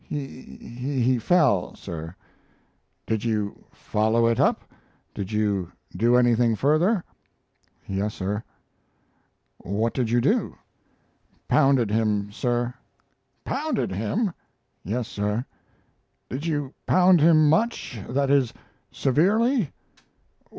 "He he fell, sir." "Did you follow it up? Did you do anything further?" "Yes, sir." "What did you do?" "Pounded him, sir." "Pounded him?" "Yes, sir." "Did you pound him much that is, severely?"